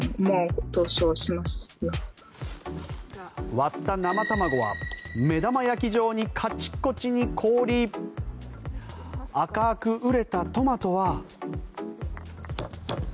割った生卵は目玉焼き状にカチコチに凍り赤く熟れたトマトは。